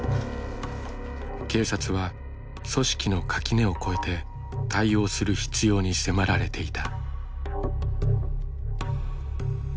警察は組織の垣根を越えて対応する必要に迫られていた。